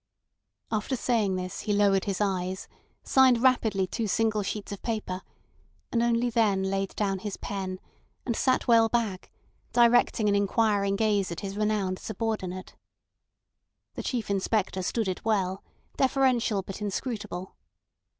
After saying this he lowered his eyes, signed rapidly two single sheets of paper, and only then laid down his pen, and sat well back, directing an inquiring gaze at his renowned subordinate. The Chief Inspector stood it well, deferential but inscrutable.